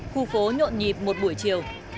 khu phố nhộn nhịp một buổi chiều